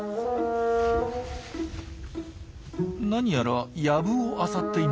なにやら藪をあさっています。